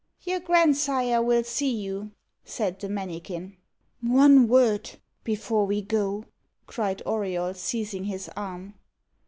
"Your grandsire will see you," said the mannikin. "One word before we go," cried Auriol, seizing his arm.